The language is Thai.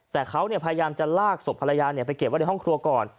แต่เขาพยายามจะลากศพภรรยาไปเก็บไว้ในห้องครัวก่อน